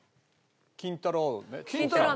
金太郎飴？